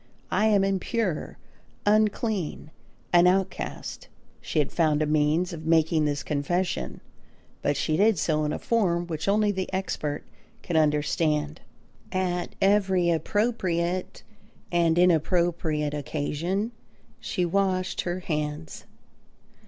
I am impure, unclean, an outcast!" She had found a means of making this confession, but she did so in a form which only the expert can understand. At every appropriate and inappropriate occasion she washed her hands.